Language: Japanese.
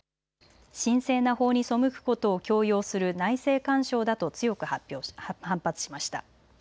神聖な法に背くことを強要する内政干渉だと強く反発しました。